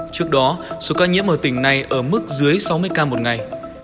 trước đó số ca nhiễm ở tỉnh này ở mức dưới sáu mươi ca một ngày